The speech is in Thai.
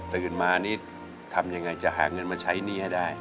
ตื่นมานี่ทำยังไงจะหาเงินมาใช้หนี้ให้ได้